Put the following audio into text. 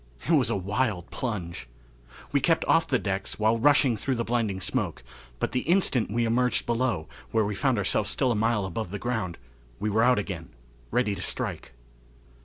It was a wild plunge. We kept off the decks while rushing through the blinding smoke, but the instant we emerged below, where we found ourselves still a mile above the ground, we were out again, ready to strike.